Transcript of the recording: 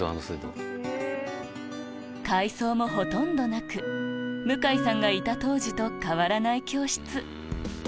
改装もほとんどなく向井さんがいた当時と変わらない教室